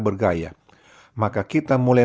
bergaya maka kita mulai